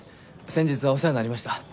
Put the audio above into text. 先日はお世話になりました。